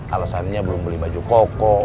alasannya belum beli baju koko